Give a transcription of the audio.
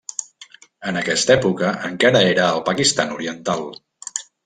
En aquesta època encara era el Pakistan oriental.